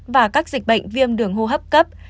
và các dịch bệnh viêm đường hô hấp cấp